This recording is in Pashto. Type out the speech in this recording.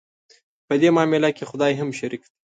په دې معامله کې خدای هم شریک دی.